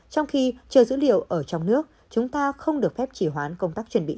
trong khi chờ dữ liệu ở trong nước chúng ta không được phép chỉ hoán công tác chuẩn bị